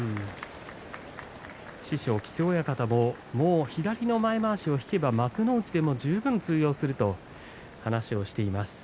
師匠木瀬親方も左前まわしを引けば幕内でも十分通用するという話をしていました。